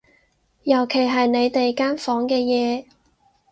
尤其係你哋間房嘅嘢